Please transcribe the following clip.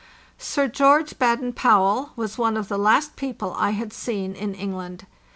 Sir George Baden Powell was one of the last people I had seen in England.